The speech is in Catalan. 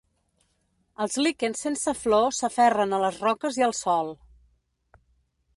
Els líquens sense flor s'aferren a les roques i al sòl.